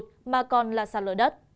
nhưng còn là sạt lở đất